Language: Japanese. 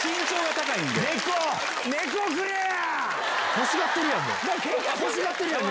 欲しがってるやん！